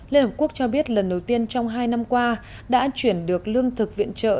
liên hợp quốc cho biết lần đầu tiên trong hai năm qua đã chuyển được lương thực viện trợ